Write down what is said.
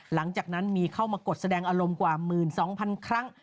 หลังจากนั้นมีเข้ามากดแสดงอารมณ์กว่า๑๒๐๐๐ครั้ง